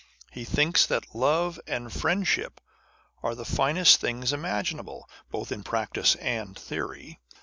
He thinks that love and friendship are the finest things imaginable, both in practice and theory.